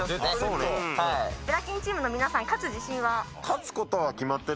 ぶら筋チームの皆さん勝つ自信は？